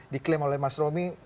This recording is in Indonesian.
diklaim oleh mas romy